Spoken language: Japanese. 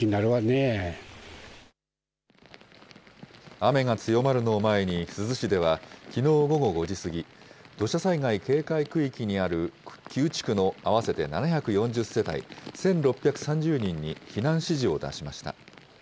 雨が強まるのを前に、珠洲市ではきのう午後５時過ぎ、土砂災害警戒区域にある９地区の合わせて７４０世帯１６３０人に避難指示を出しました。